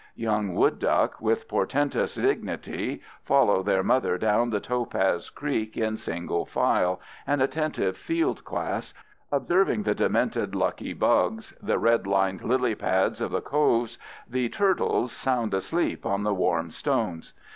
Young wood duck, with portentous dignity, follow their mother down the topaz creek in single file, an attentive field class, observing the demented lucky bugs, the red lined lily pads of the coves, the turtles sound asleep on the warm stones.